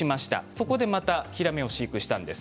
そこでまたヒラメを飼育したんです。